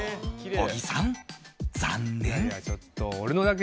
小木さん、残念！